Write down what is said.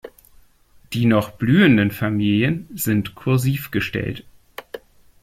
Die noch blühenden Familien sind kursiv gestellt.